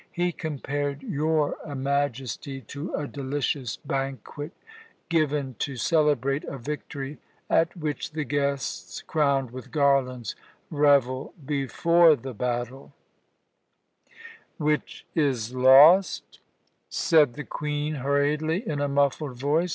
He compared your Majesty to a delicious banquet given to celebrate a victory, at which the guests, crowned with garlands, revel before the battle " "Which is lost," said the Queen hurriedly, in a muffled voice.